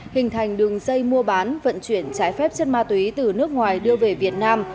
hình thành đường dây mua bán vận chuyển trái phép chất ma túy từ nước ngoài đưa về việt nam